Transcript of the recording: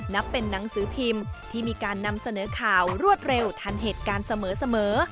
นับเป็นหนังสือพิมพ์ที่มีการนำเสนอข่าวรวดเร็วทันเหตุการณ์เสมอ